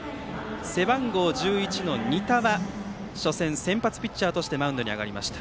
背番号１１の仁田は初戦、先発ピッチャーとしてマウンドに上がりました。